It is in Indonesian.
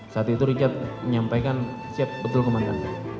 saat itu richard menyampaikan siap betul kemana